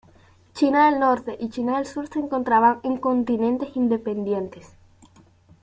China del Norte y China del Sur se encontraban en continentes independientes.